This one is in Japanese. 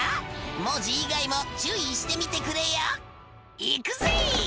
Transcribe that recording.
「文字以外も注意して見てくれよ」